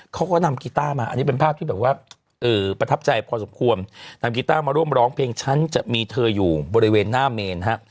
เขาก็นำกีต้ามาอันนี้เป็นภาพที่แบบว่าประทับใจพอสมควรนำกีต้ามาร่วมร้องเพลงฉันจะมีเธออยู่บริเวณหน้าเมนฮะ